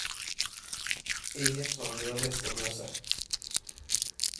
ella sonrió desdeñosa: